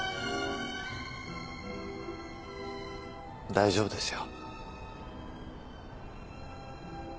大丈夫ですよ。